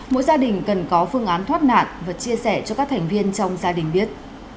mỗi gia đình cần có phương án thoát nạn và chia sẻ cho các thành viên trong gia đình biết